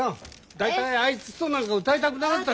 大体あいつとなんか歌いたくなかったんだ。